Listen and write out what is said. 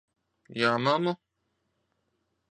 Jā, mammu?